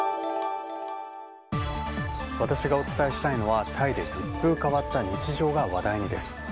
私がお伝えしたいのはタイで一風変わった日常が話題にです。